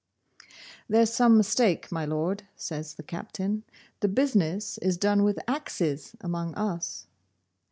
'There's some mistake, my Lord,' says the Captain. 'The business is done with AXES among us.